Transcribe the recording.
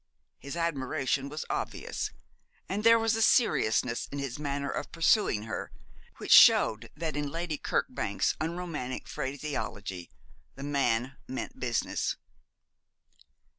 His admiration was obvious, and there was a seriousness in his manner of pursuing her which showed that, in Lady Kirkbank's unromantic phraseology, 'the man meant business.'